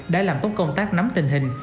đã làm tốt công tác nắm tình hình